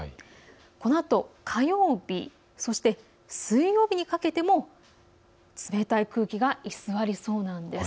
このあと火曜日、そして水曜日にかけても冷たい空気が居座りそうなんです。